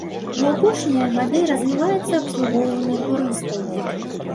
У апошнія гады развіваецца абслугоўванне турыстаў.